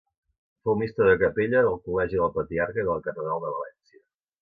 Fou mestre de capella del Col·legi del Patriarca i de la catedral de València.